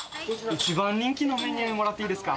一番人気のメニューもらっていいですか？